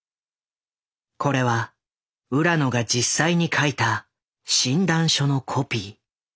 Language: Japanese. これは浦野が実際に書いた診断書のコピー。